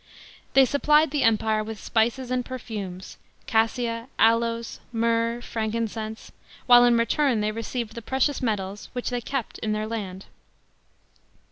* They suppled the Empire with spices and perfumes, cassia, aloes, myrrh, (ran kin cense, while in return they received the precious metals, which thev kept in their land.